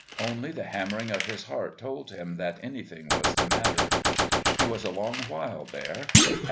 Only the hammering of his heart told him that anything was the matter. He was a long while there.